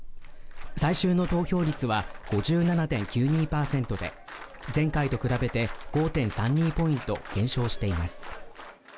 最終の投票率は５７．９２％で、前回と比べて５．３２ポイント減少しています。